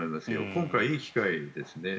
今回、いい機会ですね。